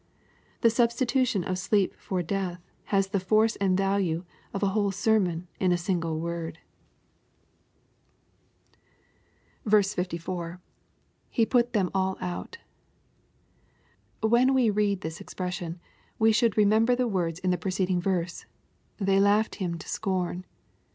The substitution of sleep for death had the force and value of a whole sermon in a single word." 13 290 EXPOBITOBT TH0I30HTS. 64. — [His put ihem aU ou/.] When we read this expression, we should remember the words in the preceding verse, '^ They laugh ed Him to scorn."